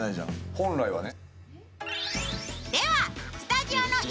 本来はね。